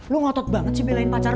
lu ngotot banget sih belain pacar